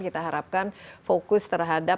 kita harapkan fokus terhadap